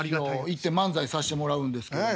行って漫才さしてもらうんですけども。